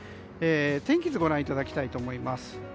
天気図をご覧いただきたいと思います。